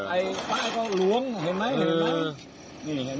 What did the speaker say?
ไอ้ป้าก็ล้วงเห็นไหม